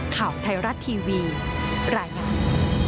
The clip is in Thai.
ข่าวไทยรัฐทีวีรายงาน